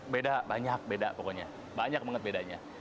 beda banyak beda pokoknya banyak banget bedanya